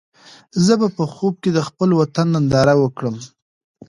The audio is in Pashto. زه به په خوب کې د خپل وطن ننداره وکړم.